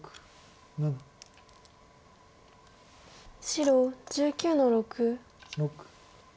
白１９の六。